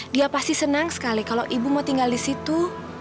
dia pasti senang sekali kalau ibu mau tinggal di situ